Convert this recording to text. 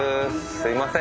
すいません